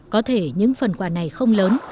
có thể những phần quà này không lớn